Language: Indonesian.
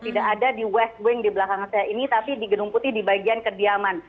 tidak ada di west wing di belakang saya ini tapi di gedung putih di bagian kediaman